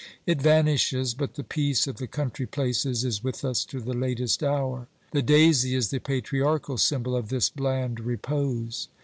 It vanishes, but the peace of the country places is with us to the latest hour. The daisy is the patriarchal symbol of this bland repose.